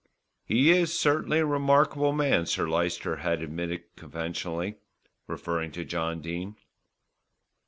"He is certainly a remarkable man," Sir Lyster had admitted conventionally, referring to John Dene.